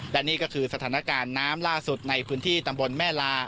และนี่ก็คือสถานการณ์น้ำล่าสุดในพื้นที่ตำบลแม่ลา